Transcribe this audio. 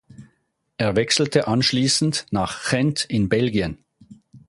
Er wechselte anschließend nach Gent in Belgien.